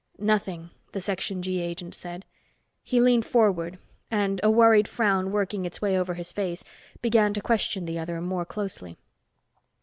"Nothing," the Section G agent said. He leaned forward and, a worried frown working its way over his face, began to question the other more closely.